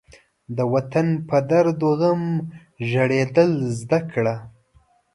د وطن په درد و غم ژړېدل زده کړه.